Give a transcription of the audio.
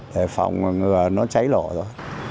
để phòng ngừa nó cháy lỏ ra